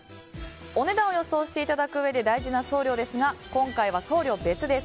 お値段を予想していただくうえで大事な送料ですが今回は送料別です。